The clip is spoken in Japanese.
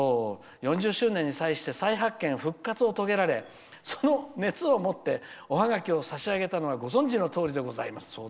４０周年に際して再発見復活を遂げられ、その熱をもっておハガキを差し上げたのはご存じのとおりでございます」。